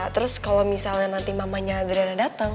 terus kalau misalnya nanti mamanya adriana datang